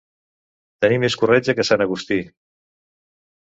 Tenir més corretja que sant Agustí.